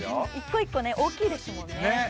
１個１個大きいですもんね。